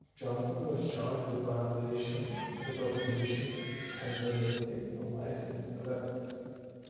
Johnson was charged with violation to probation and possessing unlicensed weapons.